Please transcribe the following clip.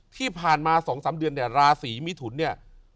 ที่ผ่านมา๒๓เดือนเนี่ยราศีมิถุนเนี่ย